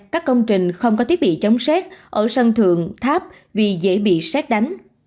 các công trình không có thiết bị chống xét ở sân thượng tháp vì dễ bị xét đánh